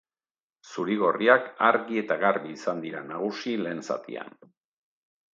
Zuri-gorriak argi eta garbi izan dira nagusi lehen zatian.